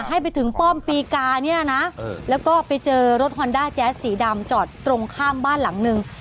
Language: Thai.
ให้ไปถึงป้อมปีกาเนี่ยนะแล้วก็ไปเจอรถฮอนด้าแจ๊สสีดำจอดตรงข้ามบ้านหลังนึง